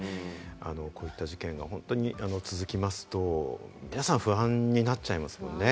こういった事件が続きますと皆さん不安になっちゃいますもんね。